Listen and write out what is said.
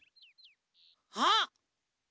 あっ！